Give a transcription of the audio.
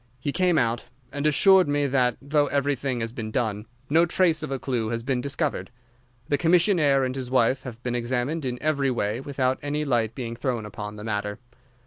He came out, and assures me that, though everything has been done, no trace of a clue has been discovered. The commissionnaire and his wife have been examined in every way without any light being thrown upon the matter.